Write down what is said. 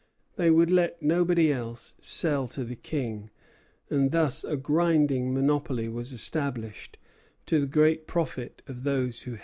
They would let nobody else sell to the King; and thus a grinding monopoly was established, to the great profit of those who held it.